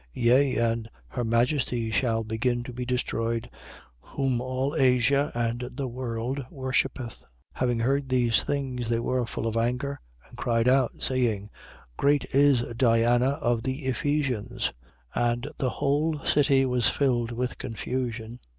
Yea, and her majesty shall begin to be destroyed, whom all Asia and the world worshippeth. 19:28. Having heard these things, they were full of anger and cried out, saying: Great is Diana of the Ephesians! 19:29. And the whole city was filled with confusion.